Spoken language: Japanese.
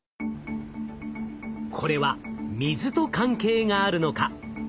これは水と関係があるのか？